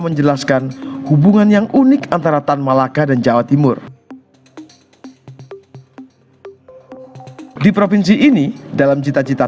menjelaskan hubungan yang unik antara tan malaka dan jawa timur di provinsi ini dalam cita cita